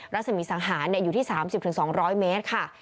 รัศมีสังหารอยู่ที่๓๐๒๐๐เมตรค่ะ